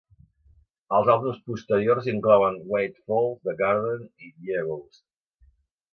Els àlbums posteriors inclouen "When It Falls", "The Garden" i "Yeah Ghost".